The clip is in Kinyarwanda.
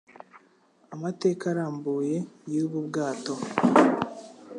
amateka arambuye y'ubu bwato